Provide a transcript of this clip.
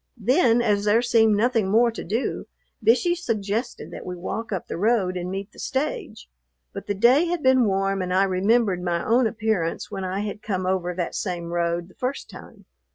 Then, as there seemed nothing more to do, Bishey suggested that we walk up the road and meet the stage; but the day had been warm, and I remembered my own appearance when I had come over that same road the first time.